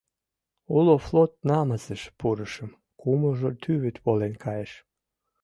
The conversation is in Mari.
Уло флот намысыш пурышым», — кумылжо тӱвыт волен кайыш.